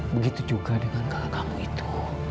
begitu juga dengan kakak kamu itu